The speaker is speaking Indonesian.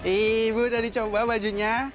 ibu udah dicoba bajunya